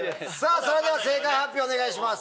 それでは正解発表お願いします。